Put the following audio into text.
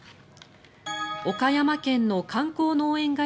岡山県の観光農園